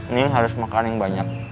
nih harus makan yang banyak